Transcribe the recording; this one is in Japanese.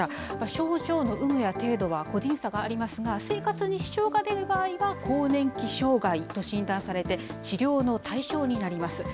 症状の有無や程度は個人差がありますが、生活に支障が出る場合は、更年期障害と診断されて、治療の対象になります。